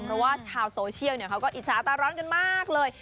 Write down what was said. เพราะว่าชาวโซเชียลเขาก็อิจฉาตาร้อนกันมากเลย